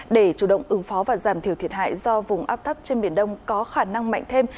để chủ động ứng phó và giảm thiểu thiệt hại do vùng áp thấp trên biển đông có khả năng mạnh thêm